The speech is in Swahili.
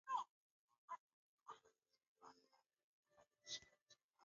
Zawadi ya mzee imeletwa jana.